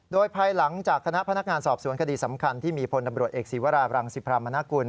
โดยภายหลังจากคณะพนักงานสอบสวนคดีสำคัญที่มีพลตำรวจเอกศีวราบรังสิพรามนกุล